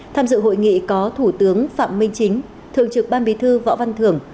tham dự hội nghị có thủ tướng phạm minh chính thường trực ban bí thư võ văn thưởng